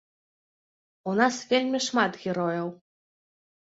У нас вельмі шмат герояў.